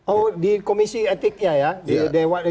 oh di komisi etiknya ya